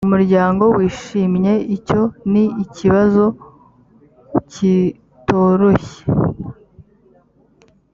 umuryango wishimye icyo ni ikibazo kitoroshye